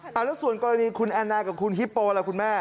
เอาแล้วส่วนกรณีคุณแอนนากับคุณฮิปโปล่ะคุณแม่